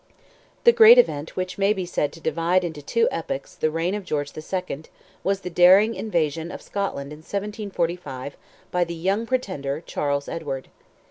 The great event which may be said to divide into two epochs the reign of George II. was the daring invasion of Scotland in 1745, by "the young Pretender"—Charles Edward.